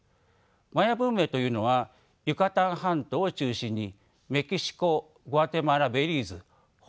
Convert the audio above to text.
マヤ文明というのはユカタン半島を中心にメキシコグアテマラベリーズホンジュラスで栄えました。